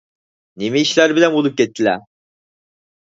نېمە ئىشلار بىلەن بولۇپ كەتتىلە؟